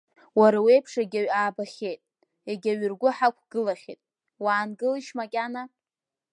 Уара уеиԥш егьаҩ аабахьеит, егьаҩгьы ргәы ҳақәгыла-хьеит, уаангылишь макьана…